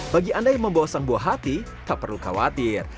bagi anda yang membawa sang buah hati tak perlu khawatir